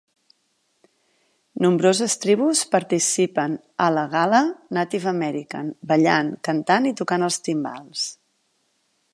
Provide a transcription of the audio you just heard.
Nombroses tribus participen ala gal·la "Native American" ballant, cantant i tocant els timbals.